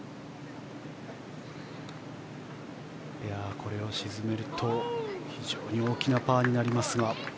これを沈めると非常に大きなパーになります。